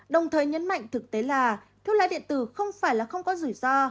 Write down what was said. đồng thời nhấn mạnh thực tế là thuốc lá điện tử không phải là không có rủi ro